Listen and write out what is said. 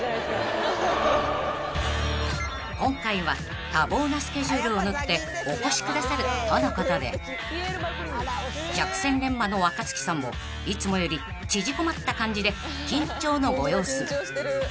［今回は多忙なスケジュールを縫ってお越しくださるとのことで百戦錬磨の若槻さんもいつもより縮こまった感じで緊張のご様子］